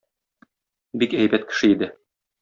Бик әйбәт кеше иде.